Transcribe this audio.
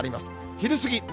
昼過ぎ。